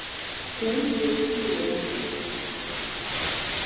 Тяни тевсь лия.